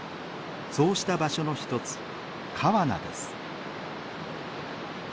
そうした場所の一つ川奈です。